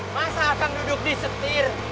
masa akan duduk disetir